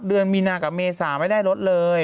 เดือนมีนากับเมษาไม่ได้ลดเลย